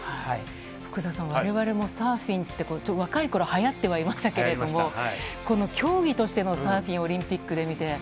福澤さん、われわれも、サーフィンって、若いころ、はやってはいましたけれども、競技としてのサーフィンをオリンピックで見て。